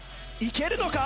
いけるのか？